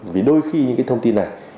vì đôi khi những cái thông tin này